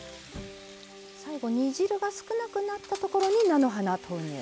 最後煮汁が少なくなったところに菜の花投入。